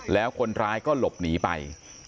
แล้วคนร้ายก็หลบหนีไป